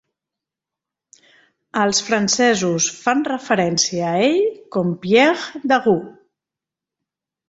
Els francesos fan referència a ell com Pierre Daru.